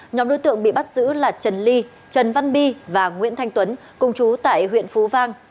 nhóm đối tượng bị bắt giữ là trần ly trần văn bi và nguyễn thanh tuấn cùng chú tại huyện phú vang